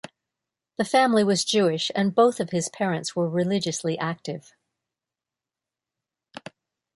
The family was Jewish and both of his parents were religiously active.